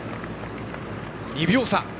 ２秒差。